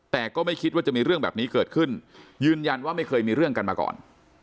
แต่ก็ไม่คิดว่าจะมีเรื่องแบบนี้เกิดขึ้นยืนยันว่าไม่เคยมีเรื่องกันมาก่อน